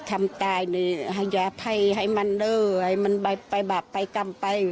ทำตายเนี่ยให้ยาให้ให้มันโลให้มันไปปล่าไปไปกังไป